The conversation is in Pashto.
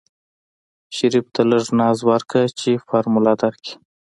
شريف ته لږ ناز ورکه چې فارموله درکي.